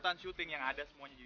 jadi tinggal nikahnya aja